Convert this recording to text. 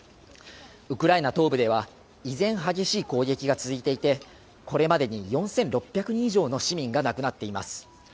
ウクライナ東部では依然、激しい攻撃が続いていて、これまでに４６００人以上の市民が亡くなっています。